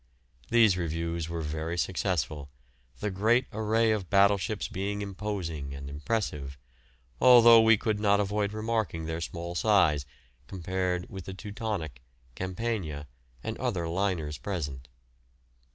These reviews were very successful, the great array of battleships being imposing and impressive, although we could not avoid remarking their small size compared with the "Teutonic," "Campania," and other liners present.